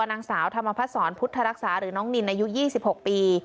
นางสาวธรรมพัฒนศรพุทธรักษาหรือน้องนินอายุ๒๖ปี